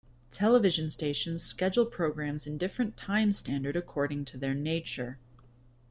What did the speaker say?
Television stations schedule programmes in different time standard according to their nature.